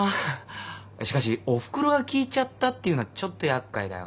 しかしおふくろが聞いちゃったっていうのはちょっと厄介だよな。